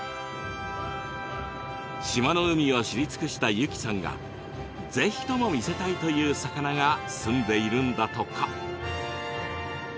島の海を知り尽くした由起さんがぜひとも見せたいという魚がすんでいるんだとか。